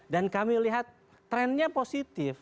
dan kami lihat trendnya positif